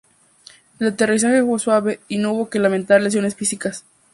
El aterrizaje fue suave y no hubo que lamentar lesiones físicas.